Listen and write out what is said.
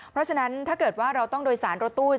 เพราะฉะนั้นถ้าเกิดว่าเราต้องโดยสารรถตู้